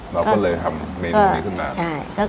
เราก็เลยทำเมนูนี้ขึ้นมา